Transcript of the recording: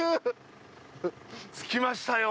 着きましたよ。